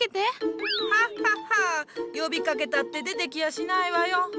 ハッハッハ呼びかけたって出てきやしないわよ。